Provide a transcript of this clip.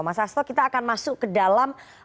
mas hasto kita akan masuk ke dalam nama capres capresnya ya